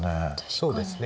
そうですね。